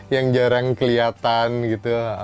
yang jarang kelihatan gitu